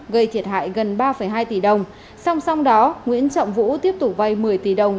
gây thiệt hại gần ba hai tỷ đồng song song đó nguyễn trọng vũ tiếp tục vay một mươi tỷ đồng